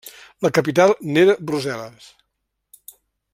La capital n'era Brussel·les.